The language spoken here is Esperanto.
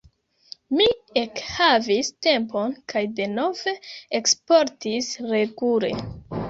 Mi ekhavis tempon kaj denove eksportis regule.